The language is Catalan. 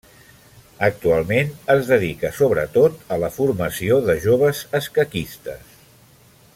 Actualment es dedica sobretot a la formació de joves escaquistes.